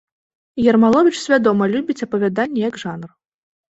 Ермаловіч свядома любіць апавяданне як жанр.